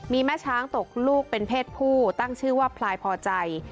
มีแม่ช้างตกลูกเป็นเพศผู้ตั้งชื่อว่าพลายพอใจ